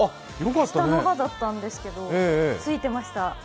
下の歯だったんですけどついてました。